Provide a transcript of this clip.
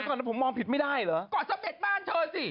ก่อสะเบ็ดบ้านเธอสิ